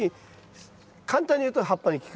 簡単に言うと葉っぱに効く。